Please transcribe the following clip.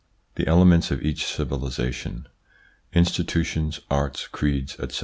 The elements of each civilisation : institutions, arts, creeds, etc.